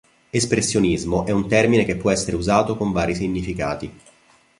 Espressionismo è un termine che può essere usato con vari significati.